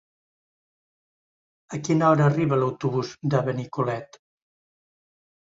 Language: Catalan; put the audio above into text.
A quina hora arriba l'autobús de Benicolet?